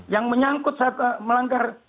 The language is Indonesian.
yang menyangkut melanggar